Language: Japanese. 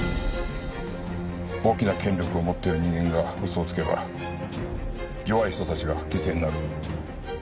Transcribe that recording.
大きな権力を持っている人間が嘘をつけば弱い人たちが犠牲になる。